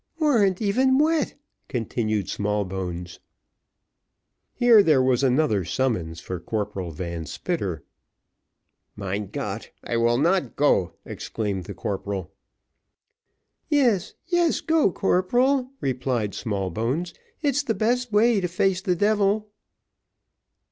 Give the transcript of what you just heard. "Warn't even wet," continued Smallbones. Here there was another summons for Corporal Van Spitter. "Mein Gott, I will not go," exclaimed the corporal. "Yes, yes, go, corporal," replied Smallbones; "it's the best way to face the devil."